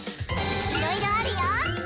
いろいろあるよ！